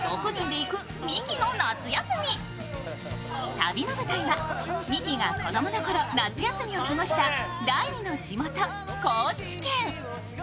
旅の舞台はミキが子供の頃夏休みを過ごした第２の地元・高知県。